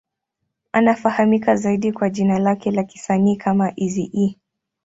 Anafahamika zaidi kwa jina lake la kisanii kama Eazy-E.